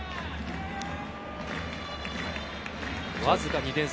わずか２点差。